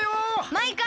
マイカ！